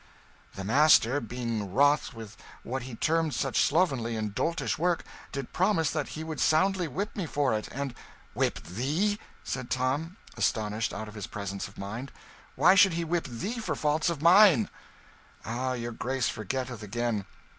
"The master, being wroth with what he termed such slovenly and doltish work, did promise that he would soundly whip me for it and " "Whip thee!" said Tom, astonished out of his presence of mind. "Why should he whip thee for faults of mine?" "Ah, your Grace forgetteth again.